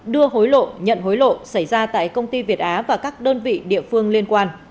đưa hối lộ nhận hối lộ xảy ra tại công ty việt á và các đơn vị địa phương liên quan